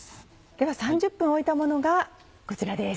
では３０分置いたものがこちらです。